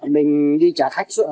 mình đi trả khách sợ